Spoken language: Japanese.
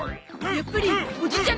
やっぱりおじちゃん